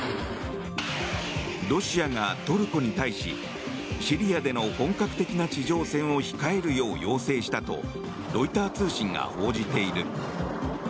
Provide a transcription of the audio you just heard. ロシアがトルコに対しシリアでの本格的な地上戦を控えるよう要請したとロイター通信が報じている。